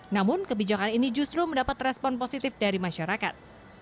namun kebijakan ini justru mendapat respon positif dari masyarakat